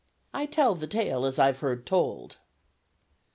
"I tell the tale as I've heard told."